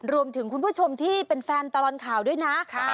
คุณผู้ชมที่เป็นแฟนตลอดข่าวด้วยนะ